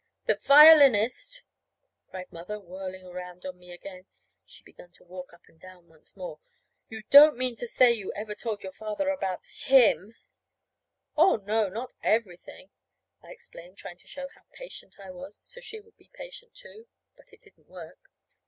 "The violinist!" cried Mother, whirling around on me again. (She'd begun to walk up and down once more.) "You don't mean to say you ever told your father about him!" "Oh, no, not everything," I explained, trying to show how patient I was, so she would be patient, too. (But it didn't work.)